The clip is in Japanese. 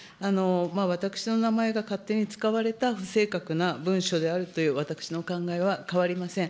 私の名前がかってに使われた不正確な文書であるという私の考えは変わりません。